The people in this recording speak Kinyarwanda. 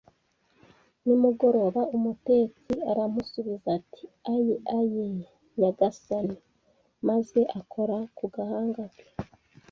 nimugoroba. ” Umutetsi aramusubiza ati: “Aye, aye, nyagasani,” maze akora ku gahanga ke